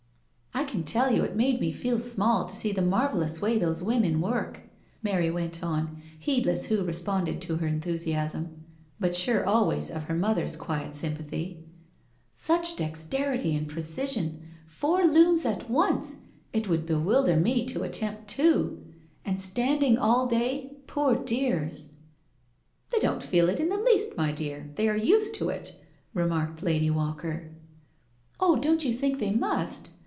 " I can tell you it made me feel small to see the marvellous way those women work," Mary went on, heedless who responded to her enthusiasm, but sure always of her mother's quiet sympathy. " Such dex terity and precision — four looms at once — it would be wilder me to attempt two. And standing all day, poor dears I '*" They don't feel it in the least, my dear; they are used to it," remarked Lady Walker. " Oh, don't you think they must?"